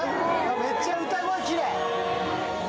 めっちゃ歌声きれい。